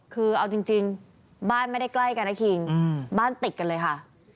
คือเอาจริงบ้านไม่ได้ใกล้กันนะคิงบ้านติดกันเลยค่ะ